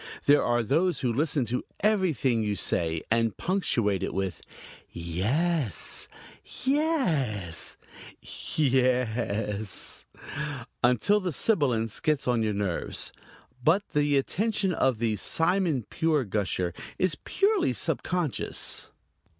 There are those who listen to everything you say and punctuate it with "Yes s s, yes s s, yes s s," until the sibilance gets on your nerves; but the attention of the Simon pure gusher is purely subconscious.